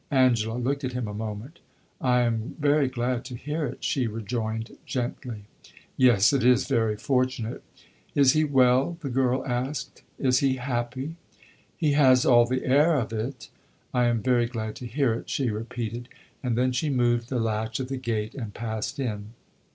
Angela looked at him a moment. "I am very glad to hear it," she rejoined, gently. "Yes, it is very fortunate." "Is he well?" the girl asked. "Is he happy?" "He has all the air of it." "I am very glad to hear it," she repeated. And then she moved the latch of the gate and passed in.